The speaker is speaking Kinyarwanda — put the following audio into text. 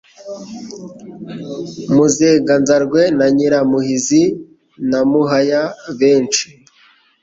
Muzenganzarwe wa Nyiramuhizi na Muhaya-benshi,